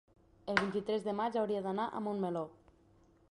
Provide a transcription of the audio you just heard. el vint-i-tres de maig hauria d'anar a Montmeló.